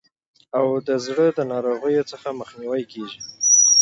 او د زړه د ناروغیو څخه مخنیوی کیږي.